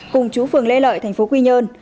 cùng chú phường lê lợi tp quy nhơn